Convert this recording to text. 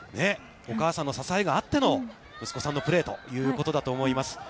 お母さんの支えがあっての息子さんのプレーということだと思います。